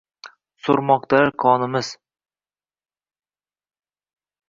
So’rmoqdalar qonimiz.